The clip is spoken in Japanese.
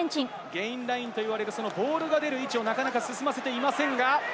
ゲインラインといわれるそのボールが出る位置を、なかなか進ませていませんが。